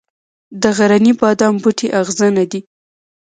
د غرني بادام بوټی اغزنه دی